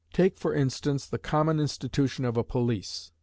Take, for instance, the common institution of a police.